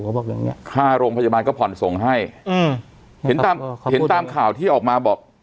บอกอย่างเงี้ค่าโรงพยาบาลก็ผ่อนส่งให้อืมเห็นตามเห็นตามข่าวที่ออกมาบอก